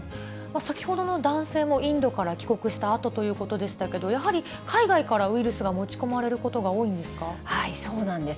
先ほどの男性もインドから帰国したあとということでしたけど、やはり海外からウイルスが持ち込そうなんです。